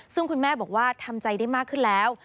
ซึ่งคุณแม่บอกว่าทำใจได้มากขึ้นแล้ว